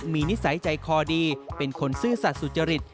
มีนิสัยใจคอดีเป็นคนซื่อสัตว์สุจริต